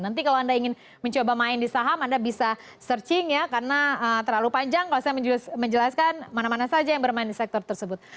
nanti kalau anda ingin mencoba main di saham anda bisa searching ya karena terlalu panjang kalau saya menjelaskan mana mana saja yang bermain di sektor tersebut